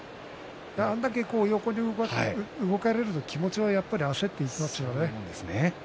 あれだけ横に動かれると気持ちは焦ってしまいますね。